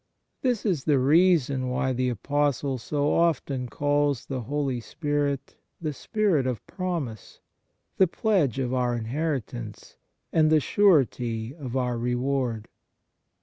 1 This is the reason why the Apostle so often calls the Holy Spirit the Spirit of promise, the Pledge of our inheritance, and the Surety of our reward.